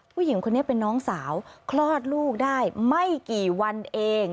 ผู้หญิงคนนี้เป็นน้องสาวคลอดลูกได้ไม่กี่วันเอง